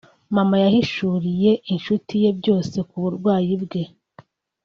mama yahishuriye inshuti ye byose ku burwayi bwe